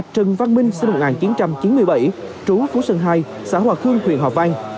trần văn minh sinh năm một nghìn chín trăm chín mươi bảy trú phú sơn hai xã hòa khương huyện hòa vang